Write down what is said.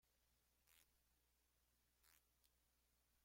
Fue totalmente nuevo.